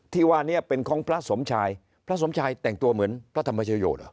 ที่ว่านี้เป็นของพระสมชายพระสมชายแต่งตัวเหมือนพระธรรมชโยชนเหรอ